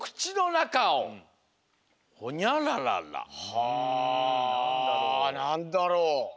はあなんだろう？